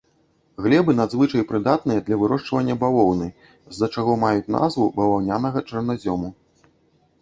Глебы надзвычай прыдатныя для вырошчвання бавоўны, з-за чаго маюць назву баваўнянага чарназёму.